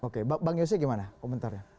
oke bang yose gimana komentarnya